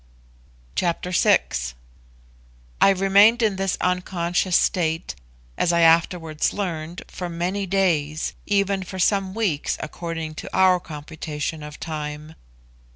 Chapter VI. I remained in this unconscious state, as I afterwards learned, for many days, even for some weeks according to our computation of time.